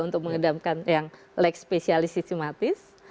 untuk mengedamkan yang leg spesialis sistematis